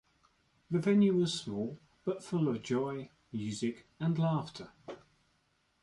The venue was small but full of joy, music and laughter.